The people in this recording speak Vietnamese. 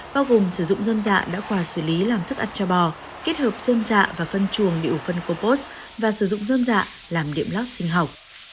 bao gồm sử dụng dân dạ đã quà xử lý làm thức ăn cho bò kết hợp dân dạ và phân chuồng điệu phân compost và sử dụng dân dạ làm điểm lót sinh học